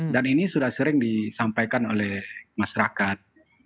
dan ini sudah sering disampaikan oleh masyarakat